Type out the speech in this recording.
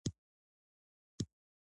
زه ستا مور یم.